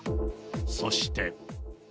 そして。